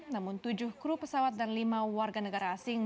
namun tujuh kru pesawat dan lima warga negara asing